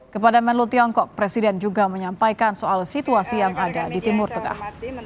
kepada menlu tiongkok presiden juga menyampaikan soal situasi yang ada di timur tengah